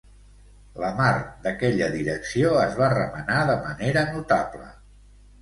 La mar d'aquella direcció es va remenar de manera notable.